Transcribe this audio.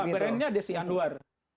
brandnya desi anwar